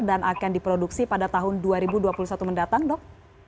dan akan diproduksi pada tahun dua ribu dua puluh satu mendatang dok